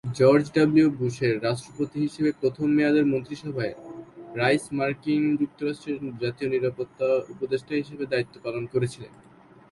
George W বুশের রাষ্ট্রপতি হিসেবে প্রথম মেয়াদের মন্ত্রীসভায় রাইস মার্কিন যুক্তরাষ্ট্রের জাতীয় নিরাপত্তা উপদেষ্টা হিসেবে দায়িত্ব পালন করেছিলেন।